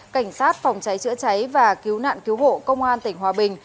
cảnh sát phòng cháy chữa cháy và cứu nạn cứu hộ công an tỉnh hòa bình